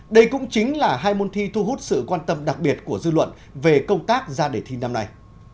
đây cũng chính là hai môn thi thu hút sự quan tâm đặc biệt của dư luận về công tác ra đề thi năm nay